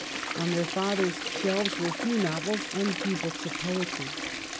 On their father's shelves were few novels, and few books of poetry.